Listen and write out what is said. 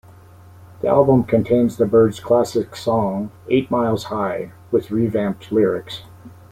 The album contains the Byrds classic song "Eight Miles High", with revamped lyrics.